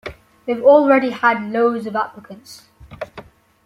They've already had loads of applicants.